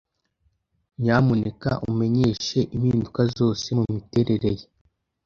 Nyamuneka umenyeshe impinduka zose mumiterere ye.